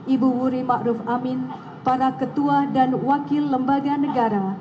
ibu wuri ma'ruf amin para ketua dan wakil lembaga negara